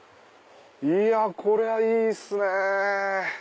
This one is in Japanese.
いやこりゃいいっすね！